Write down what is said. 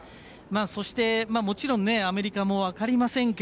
そしてもちろんアメリカも分かりませんが。